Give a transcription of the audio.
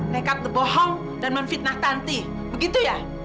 nekat bohong dan menfitnah tanti begitu ya